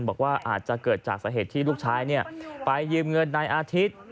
บอกว่าอาจจะเกิดจากสาเหตุที่ลูกชายไปยืมเงินนายอาทิตย์